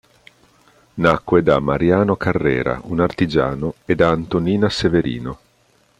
Nacque da Mariano Carrera, un artigiano, e da Antonina Severino.